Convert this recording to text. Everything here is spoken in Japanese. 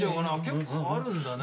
結構あるんだね。